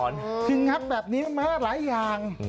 งัดแบบนี้แม้อะไรอย่าง